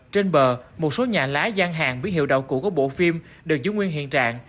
trên bờ một số nhà lá gian hàng với hiệu đạo cụ của bộ phim được giữ nguyên hiện trạng